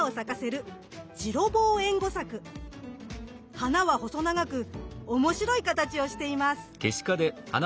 花は細長くおもしろい形をしています。